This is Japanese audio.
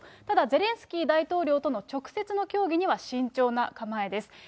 ただゼレンスキー大統領との直接の協議には慎重な構えです。